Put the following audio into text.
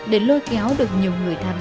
để lôi kéo được nhiều người tham gia